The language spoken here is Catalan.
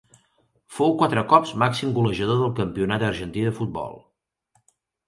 Fou quatre cops màxim golejador del campionat argentí de futbol.